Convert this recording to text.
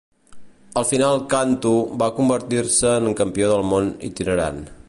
Al final Canto va convertir-se en campió del món itinerant.